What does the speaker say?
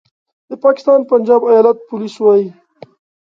د پاکستان پنجاب ایالت پولیس وايي